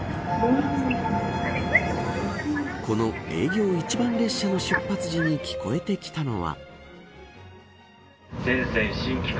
この営業一番列車の出発時に聞こえてきたのは。